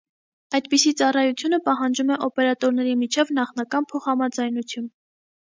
Այդպիսի ծառայությունը պահանջում է օպերատորների միջև նախնական փոխհամաձայնություն։